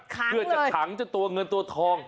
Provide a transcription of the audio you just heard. ขังเลยเพื่อจะขังจนตัวเงินตัวทอง